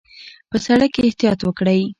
په سړک کې احتیاط وکړئ